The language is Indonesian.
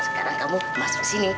sekarang kamu masuk sini